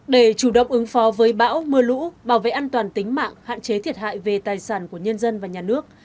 để chủ động ứng phó với bão mưa lũ bảo vệ an toàn tính mạng hạn chế thiệt hại về tài sản của nhân dân và nhà nước